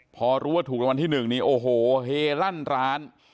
พอรู้ว่าถูกรางวัลที่๑นี่โอ้โหเฮลั่นร้าน